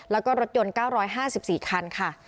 แล้วก็รถยนต์๙๕๔คันค่ะ